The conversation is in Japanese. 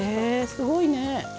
すごいね。